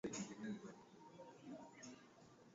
ninaongea na watu mbalimbali afrika kujua